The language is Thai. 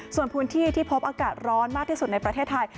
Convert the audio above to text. ส่วนพื้นที่ที่พบอากาศร้อนมากที่สุดในประเทศไทย